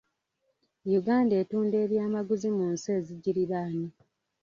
Uganda etunda ebyamaguzi mu nsi ezigiriraanye.